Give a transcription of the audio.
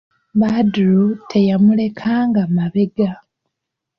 Badru teyamulekanga mabega.